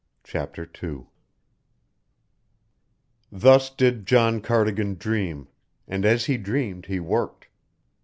CHAPTER II Thus did John Cardigan dream, and as he dreamed he worked.